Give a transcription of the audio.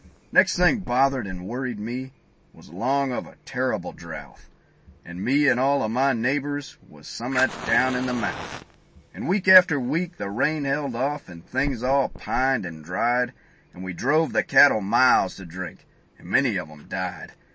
Next thing bothered and worried me, was 'long of a terrible drouth; And me an' all o' my neighbors was some'at down in the mouth. And week after week the rain held off, and things all pined an' dried, And we drove the cattle miles to drink, and many of 'em died.